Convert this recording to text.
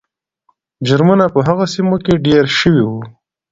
جرمونه په هغو سیمو کې ډېر شوي وو.